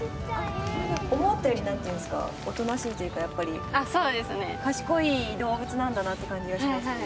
思ったより、なんていうんですか、おとなしいというか、賢い動物なんだなって感じがしますね。